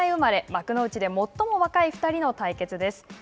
幕内でもっとも若い２人の対決です。